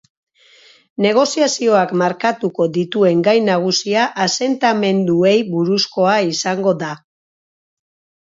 Negoziazioak markatuko dituen gai nagusia asentamenduei buruzkoa izango da.